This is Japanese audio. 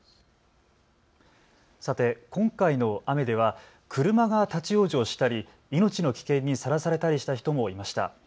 さて、今回の雨では車が立往生したり命の危険にさらされたりした人もいました。